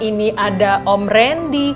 ini ada om rendy